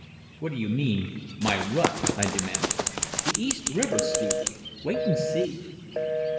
"What do you mean, my rut?" I demanded. "The East River, Stupid wait and see."